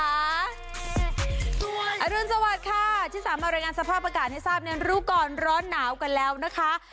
อรุณสวัสดิ์ค่ะที่สามารถรายงานสภาพอากาศให้ทราบในรู้ก่อนร้อนหนาวกันแล้วนะคะ